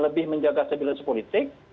lebih menjaga stabilitas politik